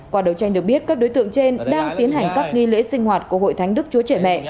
qua đấu tranh được biết các đối tượng trên đang tiến hành các nghi lễ sinh hoạt của hội thánh đức chúa trẻ mẹ